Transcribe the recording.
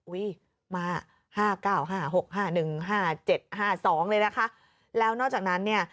อุ้ยมา๕๙๕๖๕๑๕๗๕๒เลยนะคะแล้วนอกจากนั้นเนี่ย